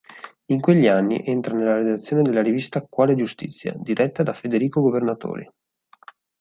In quegli anni entra nella redazione della rivista "Quale Giustizia", diretta da Federico Governatori.